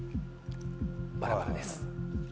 バラバラです。